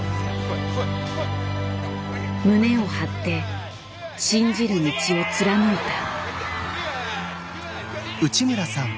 胸を張って信じる道を貫いた。